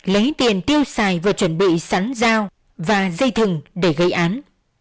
lấy tiền tiêu xài vừa chuẩn bị sắn dao và dây thừng để gây án